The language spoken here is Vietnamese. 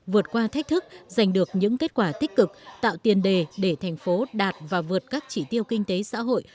vượt qua thách thức giành được những kết quả tích cực tạo tiền đề để thành phố đạt và vượt các chỉ tiêu kinh tế xã hội